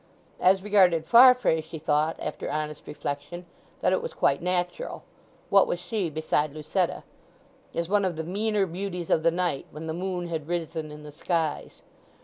As regarded Farfrae, she thought, after honest reflection, that it was quite natural. What was she beside Lucetta?—as one of the "meaner beauties of the night," when the moon had risen in the skies.